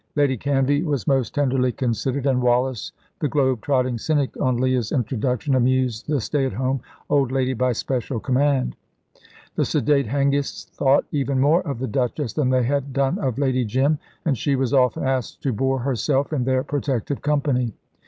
Lady Canvey was most tenderly considered, and Wallace, the globe trotting cynic, on Leah's introduction, amused the stay at home old lady by special command. The sedate Hengists thought even more of the Duchess than they had done of Lady Jim, and she was often asked to bore herself in their protective company.